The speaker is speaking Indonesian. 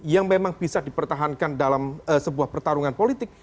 yang memang bisa dipertahankan dalam sebuah pertarungan politik